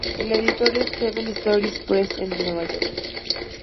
El editor es Seven Stories Press en Nueva York.